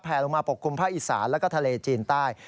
ลงมาปกคลุมภาคอีสานแล้วก็ทะเลจีนใต้